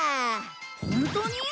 ホントに？